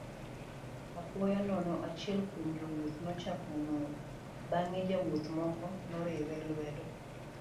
Apoya nono achiel kuom jowuoth nochako ng'ur bang'e jowuoth moko noriwe lwedo.